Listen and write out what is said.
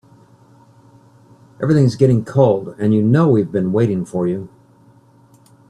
Everything's getting cold and you know we've been waiting for you.